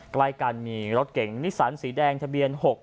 ใกล้กันมีรถเก่งนิสันสีแดงทะเบียน๖๖